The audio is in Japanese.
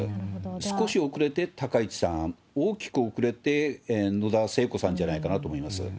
少し遅れて高市さん、大きく後れて野田聖子さんじゃないかなと思います。